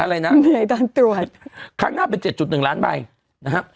อะไรนะเหนื่อยตอนตรวจครั้งหน้าเป็น๗๑ล้านใบนะฮะ